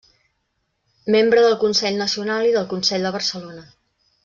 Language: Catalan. Membre del Consell Nacional i del Consell de Barcelona.